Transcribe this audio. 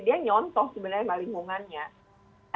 dia nyontoh sebenarnya sama lingkungannya